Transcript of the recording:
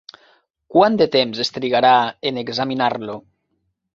Quant de temps es trigarà en examinar-lo?